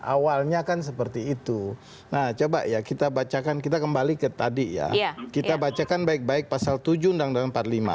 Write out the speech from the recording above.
awalnya kan seperti itu nah coba ya kita bacakan kita kembali ke tadi ya kita bacakan baik baik pasal tujuh undang undang empat puluh lima